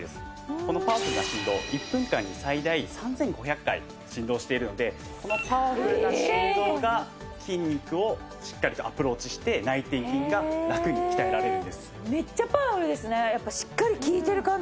このパワフルな振動１分間に最大３５００回振動しているのでこのパワフルな振動が筋肉をしっかりとアプローチして内転筋がラクに鍛えられるんです。